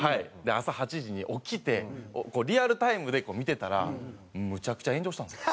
朝８時に起きてリアルタイムで見てたらむちゃくちゃ炎上したんですよ。